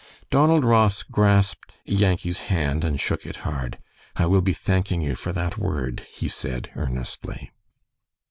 Donald Ross grasped Yankee's hand and shook it hard. "I will be thanking you for that word," he said, earnestly.